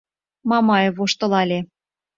— Мамаев воштылале.